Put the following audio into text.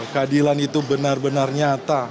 keadilan itu benar benar nyata